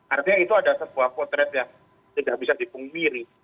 artinya itu ada sebuah konteks yang tidak bisa dipunggiri